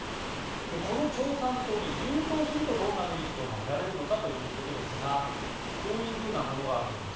この共産党に入党するとどんなメリットが得られるのかということですがこういうものがあるようです。